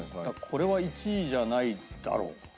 これは１位じゃないだろう。